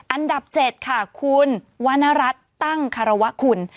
อันดับ๗ค่ะคุณวรรณรัฐตั้งคารวะคุณ